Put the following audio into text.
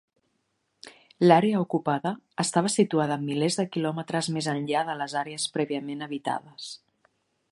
L'àrea ocupada estava situada milers de quilòmetres més enllà de les àrees prèviament habitades.